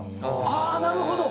ああーなるほど！